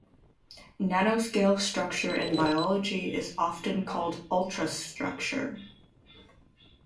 Nanoscale structure in biology is often called ultrastructure.